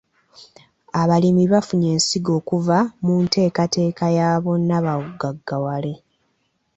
Abalimi bafunye ensigo okuva mu nteekateeka ya bonna bagaggawale.